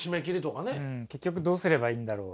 結局どうすればいいんだろう。